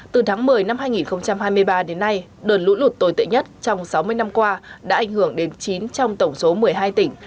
từ tháng một mươi năm hai nghìn hai mươi ba đến nay đợt lũ lụt tồi tệ nhất trong sáu mươi năm qua đã ảnh hưởng đến chín trong tổng số một mươi hai tỉnh